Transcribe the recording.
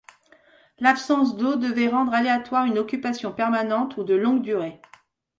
L'absence d'eau devait rendre aléatoire une occupation permanente ou de longue durée.